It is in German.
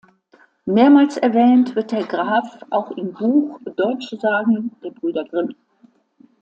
Mehrmals erwähnt wird der Graf auch im Buch „Deutsche Sagen“ der Brüder Grimm.